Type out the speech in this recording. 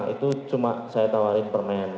itu cuma saya tawarin permen